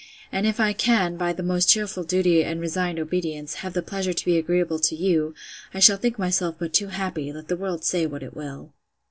And if I can, by the most cheerful duty, and resigned obedience, have the pleasure to be agreeable to you, I shall think myself but too happy, let the world say what it will.